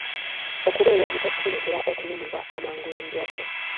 Okubeera olubuto kuleetera okulumbibwa amangu endwadde.